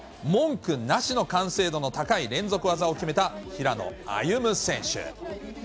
文句なしの完成度の高い連続技を決めた平野歩夢選手。